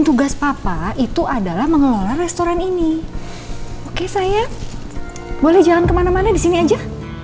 tugas papa itu adalah mengelola restoran ini oke saya boleh jalan kemana mana di sini aja